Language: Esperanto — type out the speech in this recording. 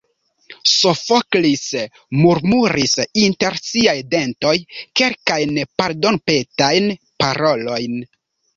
Sofoklis murmuris inter siaj dentoj kelkajn pardonpetajn parolojn.